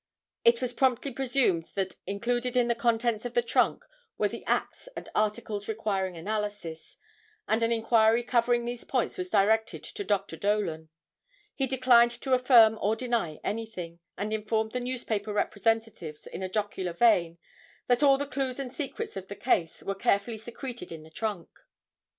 It was promptly presumed that included in the contents of the trunk were the axe and articles requiring analysis, and an inquiry covering these points was directed to Dr. Dolan. He declined to affirm or deny anything, and informed the newspaper representatives in a jocular vein that all the clues and secrets of the case were carefully secreted in the trunk.